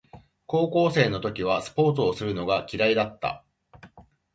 高校生の時はスポーツをするのが嫌いだった